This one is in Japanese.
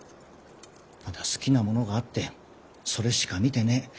ただ好きなものがあってそれしか見てねえ。